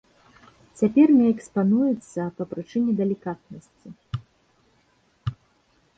Цяпер не экспануецца па прычыне далікатнасці.